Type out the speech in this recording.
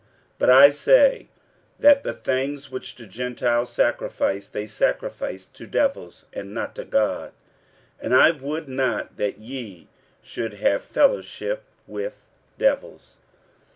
46:010:020 But I say, that the things which the Gentiles sacrifice, they sacrifice to devils, and not to God: and I would not that ye should have fellowship with devils.